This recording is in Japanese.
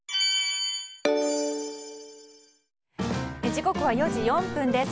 時刻は４時４分です。